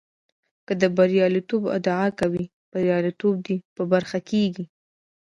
که د برياليتوب ادعا کوې برياليتوب دې په برخه کېږي.